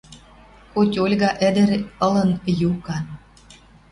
Хоть Ольга ӹдӹр ылын юкан.